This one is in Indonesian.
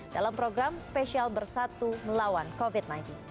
dalam program spesial bersatu melawan covid sembilan belas